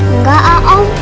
engga ah om